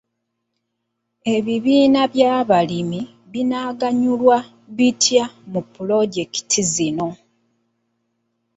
Ebibiina by'abalimi binaaganyulwa bitya mu pulojekiti eno?